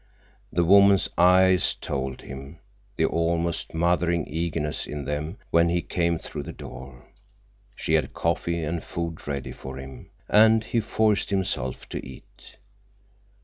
The woman's eyes told him, the almost mothering eagerness in them when he came through the door. She had coffee and food ready for him, and he forced himself to eat.